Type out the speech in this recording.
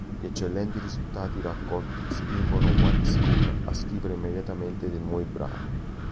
Gli eccellenti risultati raccolti spingono i White Skull a scrivere immediatamente dei nuovi brani.